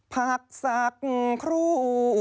ผักสักครู